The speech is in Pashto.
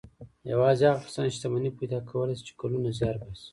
يوازې هغه کسان شتمني پيدا کولای شي چې کلونه زيار باسي.